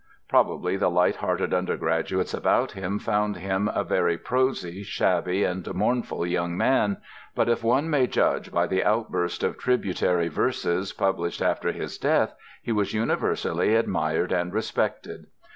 Probably the light hearted undergraduates about him found him a very prosy, shabby, and mournful young man, but if one may judge by the outburst of tributary verses published after his death he was universally admired and respected.